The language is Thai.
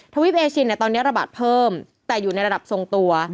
ทวีปเอชินตอนนี้ระบาดเพิ่มแต่อยู่ในระดับทรงตัว